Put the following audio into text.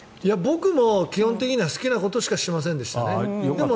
僕も基本的には好きなことしかしていなかったですね。